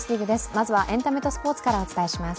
まずはエンタメとスポーツからお伝えします。